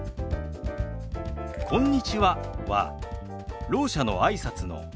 「こんにちは」はろう者のあいさつの基本です。